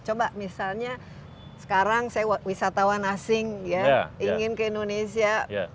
coba misalnya sekarang saya wisatawan asing ya ingin ke indonesia